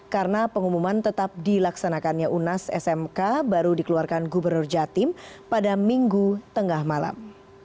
karena pengumuman tetap dilaksanakannya unas smk baru dikeluarkan gubernur jatim pada minggu tengah malam